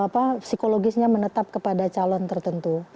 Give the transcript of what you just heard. psikologisnya menetap kepada calon tertentu